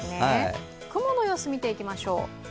雲の様子、見ていきましょう。